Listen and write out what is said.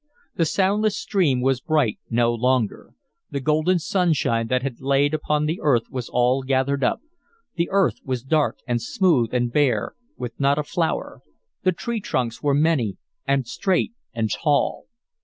The soundless stream was bright no longer; the golden sunshine that had lain upon the earth was all gathered up; the earth was dark and smooth and bare, with not a flower; the tree trunks were many and straight and tall.